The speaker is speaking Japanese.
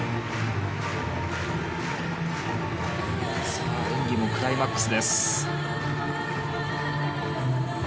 さあ、演技もクライマックスです。